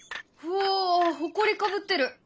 うおほこりかぶってる。